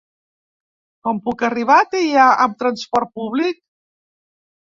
Com puc arribar a Teià amb trasport públic?